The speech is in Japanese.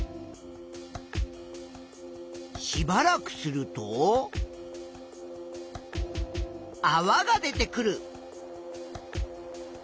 しばらくするとあわが出てくる。